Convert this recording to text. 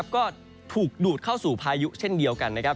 ก็ถูกดูดเข้าสู่พายุเช่นเดียวกันนะครับ